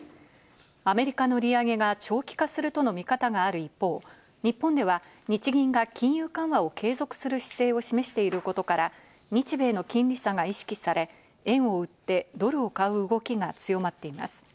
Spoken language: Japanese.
アメリカの利上げが長期化するとの見方がある一方、日本では日銀が金融緩和を継続する姿勢を示していることから、日米の金利差が意識され、円を売ってドルを買う動きが強まっています。